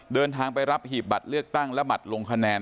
เดินทางไปรับหีบบัตรเลือกตั้งและบัตรลงคะแนน